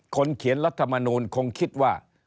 เขียนรัฐมนูลคงคิดว่า